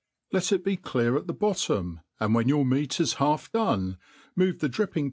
Let it be clear at th« bottom ; and when your meat is half done, move the dripping \